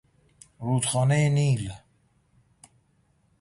رودخانه نیل